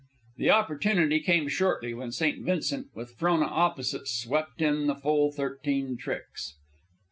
The opportunity came shortly, when St. Vincent, with Frona opposite, swept in the full thirteen tricks.